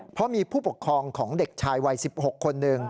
เพราะมีผู้ปกครองของเด็กชายวัย๑๖คนหนึ่ง